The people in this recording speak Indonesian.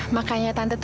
gak pernah hati hati